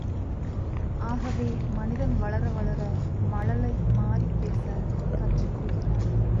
ஆகவே மனிதன் வளர வளர மழலை மாறிப் பேசக் கற்றுக் கொள்கிறான்.